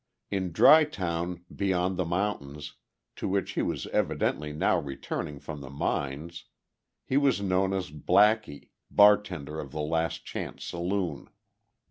In Dry Town beyond the mountains, to which he was evidently now returning from the mines, he was known as Blackie, bartender of the Last Chance saloon.